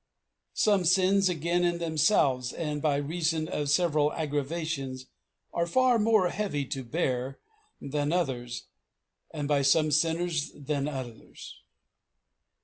Some sins again in themselves, and by reason of several aggravations, are far more heavy to bear than others, and by some sinners than others.